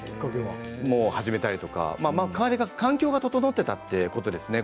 始めたりとか環境が整っていたということですよね。